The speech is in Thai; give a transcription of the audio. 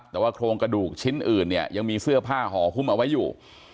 แต่ว่าโครงกระดูกชิ้นอื่นเนี่ยยังมีเสื้อผ้าห่อหุ้มเอาไว้อยู่